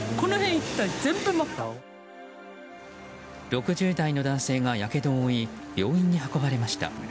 ６０代の男性がやけどを負い病院に運ばれました。